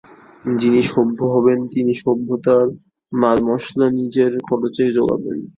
যিনি সভ্য হবেন তিনি সভ্যতার মালমশলা নিজের খরচেই জোগাবেন।